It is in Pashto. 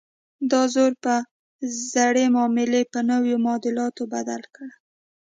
دا زور به زړې معاملې په نویو معادلاتو بدلې کړي.